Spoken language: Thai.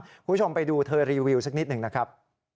คุณผู้ชมไปดูเธอรีวิวสักนิดหนึ่งนะครับ